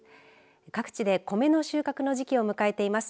各地で米の収穫の時期を迎えています。